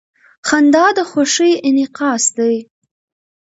• خندا د خوښۍ انعکاس دی.